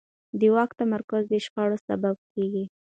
د واک تمرکز د شخړو سبب کېږي